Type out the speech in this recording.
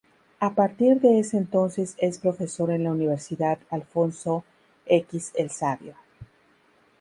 A partir de entonces es Profesor en la Universidad Alfonso X el Sabio.